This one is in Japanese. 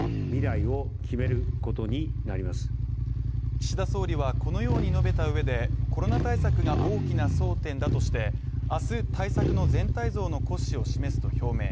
岸田総理はこのように述べたうえでコロナ対策が大きな争点だとして明日、対策の全体像の骨子を示すと表明。